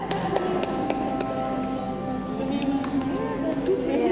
すみません。